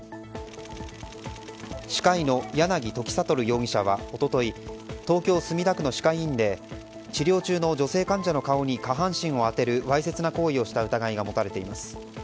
歯科医の柳時悟容疑者は一昨日東京・墨田区の歯科医院で治療中の女性患者の顔に下半身を当てるわいせつな行為をした疑いが持たれています。